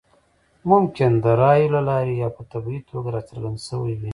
ممکن د رایو له لارې یا په طبیعي توګه راڅرګند شوی وي.